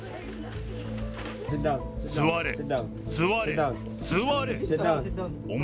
座れ、座れ、座れ！